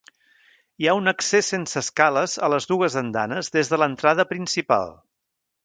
Hi ha un accés sense escales a les dues andanes des de l'entrada principal.